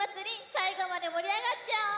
さいごまでもりあがっちゃおう！